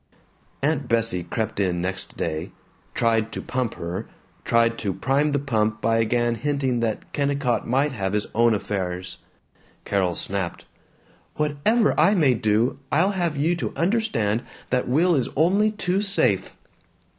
Aunt Bessie crept in next day, tried to pump her, tried to prime the pump by again hinting that Kennicott might have his own affairs. Carol snapped, "Whatever I may do, I'll have you to understand that Will is only too safe!"